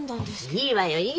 いいわよいいわよ。